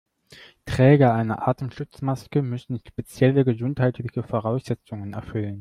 Träger einer Atemschutzmaske müssen spezielle gesundheitliche Voraussetzungen erfüllen.